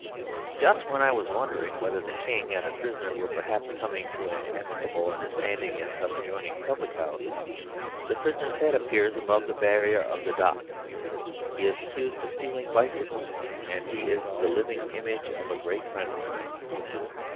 ..... Just when I was wondering whether the King and the prisoner were, perhaps, coming to an amicable understanding in some adjoining public house, the prisoner's head appears above the barrier of the dock; he is accused of stealing bicycles, and he is the living image of a great friend of mine.